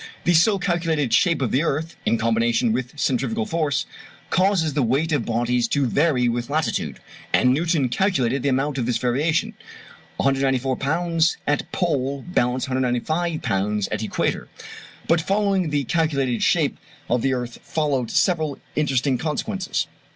The so calculated shape of the earth, in combination with centrifugal force, causes the weight of bodies to vary with latitude; and Newton calculated the amount of this variation. 194 lbs. at pole balance 195 lbs. at equator. But following from the calculated shape of the earth follow several interesting consequences.